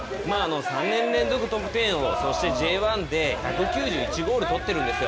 ３年連続得点王Ｊ１で１９１ゴールとってるんですよ。